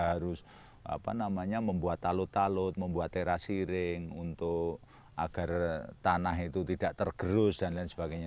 harus membuat talut talut membuat terasiring untuk agar tanah itu tidak tergerus dan lain sebagainya